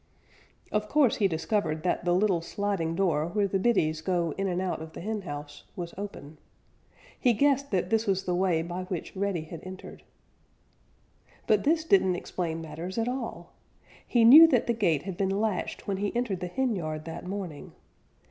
Of course, he discovered that the little sliding door where the biddies go in and out of the henhouse was open. He guessed that this was the way by which Reddy had entered. But this didn't explain matters at all. He knew that the gate had been latched when he entered the henyard that morning.